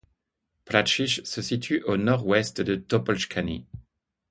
Prašice se situe à au nord-ouest de Topoľčany.